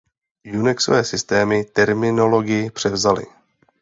Unixové systémy terminologii převzaly.